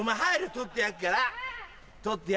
撮ってやっから！